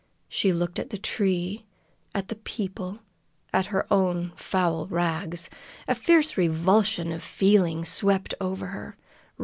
She looked at the tree, at the people, at her own foul rags. A fierce revulsion of feeling swept over her.